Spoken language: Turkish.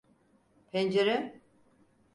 Pencere…